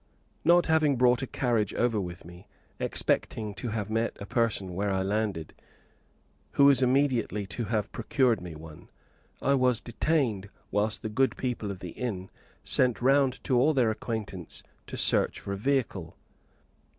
Not having brought a carriage over with me, expecting to have met a person where I landed, who was immediately to have procured me one, I was detained whilst the good people of the inn sent round to all their acquaintance to search for a vehicle.